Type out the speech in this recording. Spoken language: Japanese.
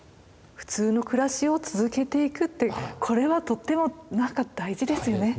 普通の暮らしを続けていくってこれはとってもなんか大事ですよね。